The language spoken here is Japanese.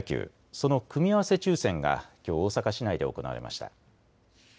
その組み合わせ抽せんがきょう大阪市内で行われました。